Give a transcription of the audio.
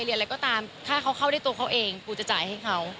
เรียนอะไรก็ตามถ้าเขาเข้าด้วยตัวเขาเองปูจะจ่ายให้เขา